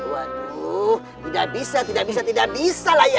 waduh tidak bisa tidak bisa tidak bisa lah ya